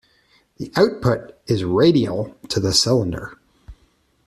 The output is radial to the cylinder.